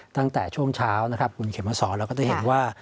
ตั้งแต่ช่วงเช้าคุณเขมศเราก็ได้เห็นว่า